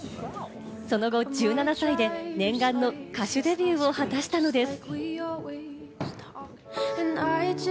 その後、１７歳で念願の歌手デビューを果たしたのです。